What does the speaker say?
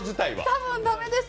多分駄目です。